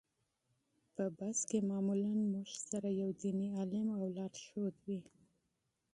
په بس کې معمولا موږ سره یو دیني عالم او لارښود وي.